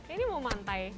ini mau mantai